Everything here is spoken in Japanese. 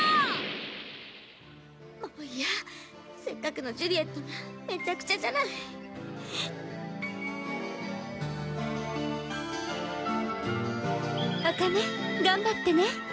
せっかくのジュリエットがめちゃくちゃじゃないあかね頑張ってね！